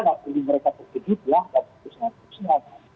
jadi mereka tergiduh dan putuskan